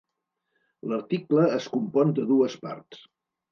L'article es compon de dues parts.